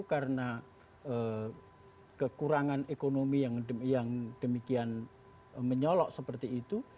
karena kekurangan ekonomi yang demikian menyolok seperti itu